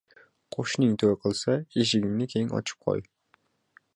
• Qo‘shning to‘y qilsa, eshigingni keng ochib qo‘y.